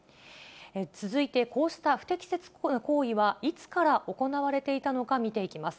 続いて、こうした不適切な行為はいつから行われていたのか、見ていきます。